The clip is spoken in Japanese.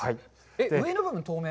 上の部分、透明？